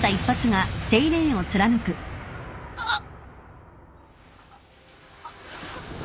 あっ。